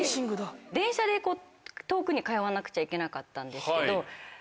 電車で遠くに通わなくちゃいけなかったんですけど。